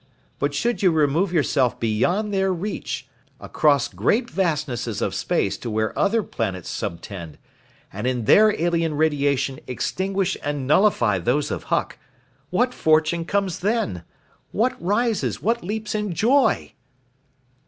But should you remove yourself beyond their reach, across great vastnesses of space to where other planets subtend and in their alien radiation extinguish and nullify those of Huck what fortune comes then? What rises, what leaps in joy?"